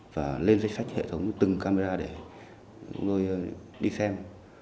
và lên danh sách hệ thống từng camera để mọi người đi xem